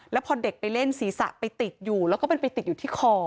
แล้วพอเด็กไปเล่นศีรษะไปติดอยู่แล้วก็มันไปติดอยู่ที่คอ